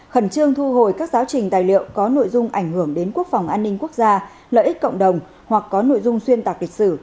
khẩn trương thu hồi các giáo trình tài liệu có nội dung ảnh hưởng đến quốc phòng an ninh quốc gia lợi ích cộng đồng hoặc có nội dung xuyên tạc lịch sử